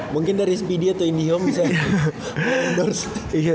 mungkin dari spd atau indihome bisa